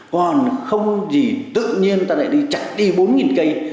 còn không gì tự nhiên ta lại chặt đi bốn cây